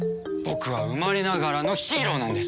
僕は生まれながらのヒーローなんです。